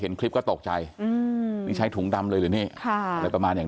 เห็นคลิปก็ตกใจอืมนี่ใช้ถุงดำเลยหรือนี่ค่ะอะไรประมาณอย่าง